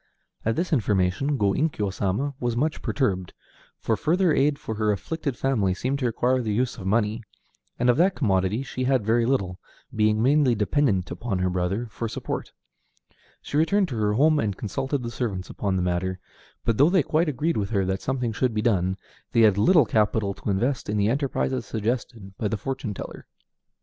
At this information Go Inkyo Sama was much perturbed, for further aid for her afflicted family seemed to require the use of money, and of that commodity she had very little, being mainly dependent upon her brother for support. She returned to her home and consulted the servants upon the matter; but though they quite agreed with her that something should be done, they had little capital to invest in the enterprises suggested by the fortune teller.